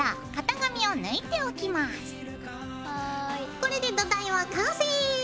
これで土台は完成！